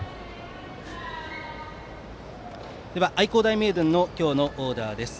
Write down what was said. では愛工大名電の今日のオーダーです。